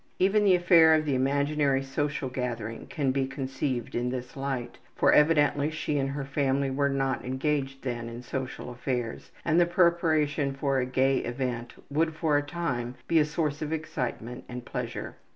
Even the affair of the imaginary social gathering can be conceived in this light, for evidently she and her family were not engaged then in social affairs and the preparation for a gay event would for a time be a source of excitement and pleasure.